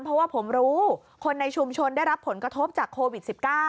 เพราะว่าผมรู้คนในชุมชนได้รับผลกระทบจากโควิด๑๙